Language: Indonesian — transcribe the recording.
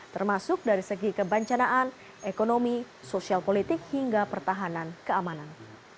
termasuk dari segi kebancanaan ekonomi sosial politik hingga pertahanan keamanan